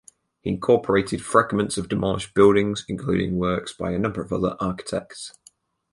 He incorporated fragments of demolished buildings, including works by a number of other architects.